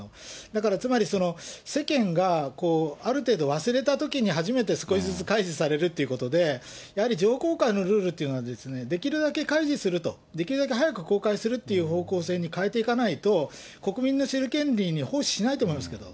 だからつまり、世間がある程度忘れたときに初めて少しずつ開示されるということで、やはり情報公開のルールっていうのは、できるだけ開示すると、できるだけ早く公開するっていう方向に変えていかないと、国民の知る権利に奉仕しないと思うんですけど。